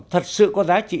thật sự có giá trị